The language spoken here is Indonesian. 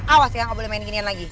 awas ya gak boleh mainin beginian lagi